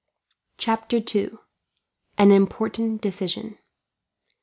Chapter 2: An Important Decision.